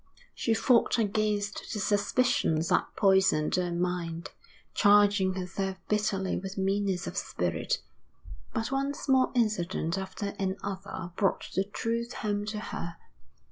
She fought against the suspicions that poisoned her mind, charging herself bitterly with meanness of spirit, but one small incident after another brought the truth home to her.